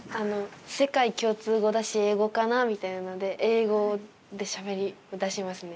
世界共通語だし英語かなみたいなので英語でしゃべりだしますね。